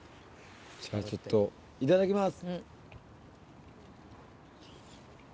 じゃあちょっといただきます。